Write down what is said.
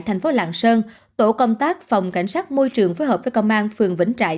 thành phố lạng sơn tổ công tác phòng cảnh sát môi trường phối hợp với công an phường vĩnh trại